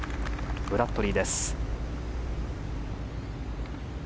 ブラッドリーです。